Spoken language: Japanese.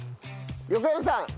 横山さん